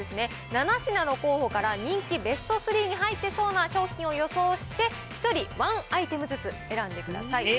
７品の候補から人気ベスト３に入っていそうな商品を予想して、１人ワンアイテムずつ選んでください。